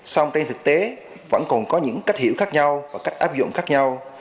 song trên thực tế vẫn còn có những cách hiểu khác nhau và cách áp dụng khác nhau